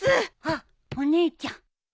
あっお姉ちゃん。